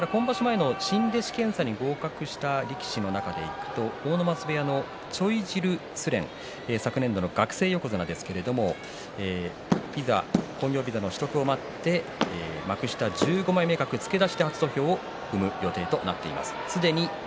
今場所前の新弟子検査に合格した力士の中でいくと阿武松部屋のチョイジルスレン昨年度の学生横綱興行ビザの取得を待って幕下１５枚目格付け出しで初土俵を踏む予定になっています。